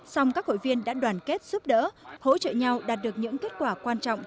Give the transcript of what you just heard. song các hội viên đã đoàn kết giúp đỡ hỗ trợ nhau đạt được những kết quả quan trọng